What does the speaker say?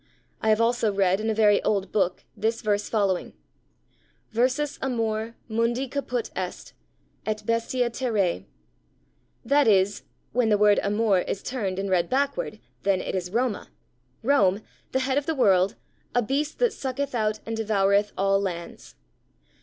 I have also read in a very old book this verse following: _ Versus Amor_, Mundi Caput est, et Bestia Terræ. That is (when the word Amor is turned and read backward, then it is Roma), Rome, the head of the world, a beast that sucketh out and devoureth all lands.